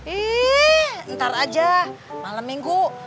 ih ntar aja malam minggu